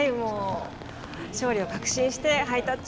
勝利を確信してハイタッチ。